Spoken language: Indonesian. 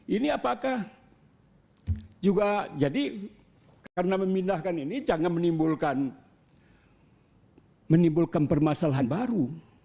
ini apakah juga jadi karena memindahkan ini jangan menimbulkan permasalahan baru